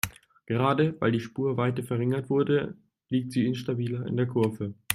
Gerade weil die Spurweite verringert wurde, liegt sie instabiler in der Kurve.